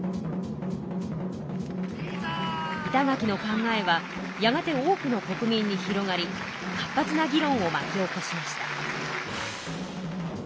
板垣の考えはやがて多くの国民に広がり活発な議論をまき起こしました。